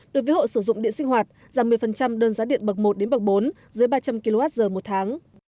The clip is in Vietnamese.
đối với hộ sử dụng điện sinh hoạt giảm một mươi đơn giá điện bậc một đến bậc bốn dưới ba trăm linh kwh một tháng